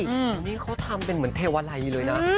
นี่เขาทำเป็นเหมือนเทวาลัยเลยนะ